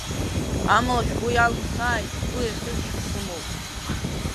Амала, шәгәы иалымсааит, сгәы еихьызшьуа сымоуп.